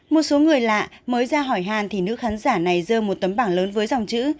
một số người lạ mới ra hỏi hàn thì nữ khán giả này dơ một tấm bảng lớn với dòng chữ